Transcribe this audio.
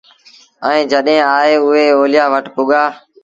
ائيٚݩ جڏهيݩ آئي اُئي اوليآ وٽ پُڳآ